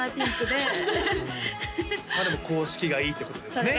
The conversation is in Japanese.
まあでも公式がいいってことですね